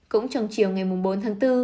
cũng trong chiều ngày bốn tháng bốn